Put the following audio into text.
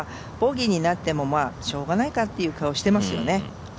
ボギーになってもしょうがないかという顔をしていますよね。